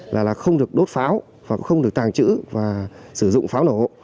là không được đốt pháo và không được tàng trữ và sử dụng pháo nổ